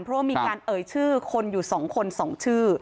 เพราะว่ามีการเอ่ยชื่อคนอยู่๒คน๒ชื่อ